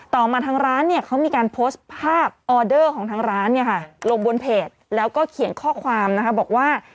ต่อมาทางร้านเนี่ยเขามีการโพสต์ภาพออเดอร์ของทางร้านเนี่ยค่ะลงบนเพจแล้วก็เขียนข้อความนะคะบอกว่า